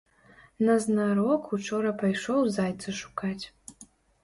Назнарок учора пайшоў зайца шукаць.